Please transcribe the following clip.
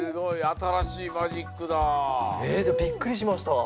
あたらしいマジックだ。えびっくりしました。